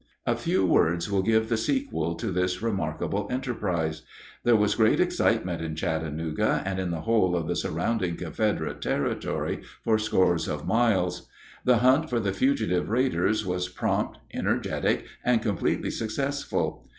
A few words will give the sequel to this remarkable enterprise. There was great excitement in Chattanooga and in the whole of the surrounding Confederate territory for scores of miles. The hunt for the fugitive raiders was prompt, energetic, and completely successful.